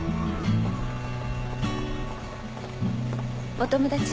お友達？